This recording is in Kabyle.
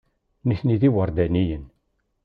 Nitni d iwerdaniyen.